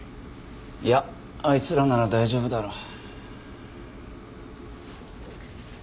いやあいつらなら大丈夫だろう。